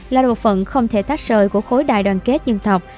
là bộ phận không thể tách rời của khối đại đoàn kết dân tộc